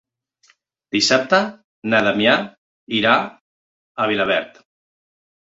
Dissabte na Damià irà a Vilaverd.